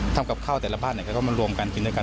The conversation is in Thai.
ทำกับข้าวแต่ละบ้านเขาก็มารวมกันกินด้วยกัน